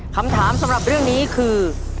คำถามสำหรับเรื่องนี้คือ